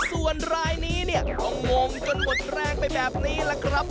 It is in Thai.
ส่วนรายนี้เนี่ยก็งงจนหมดแรงไปแบบนี้แหละครับ